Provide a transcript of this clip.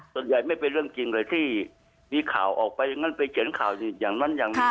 ไม่เป็นเรื่องจริงเลยที่มีข่าวออกไปอย่างนั้นไปเขียนข่าวอย่างนั้นอย่างนี้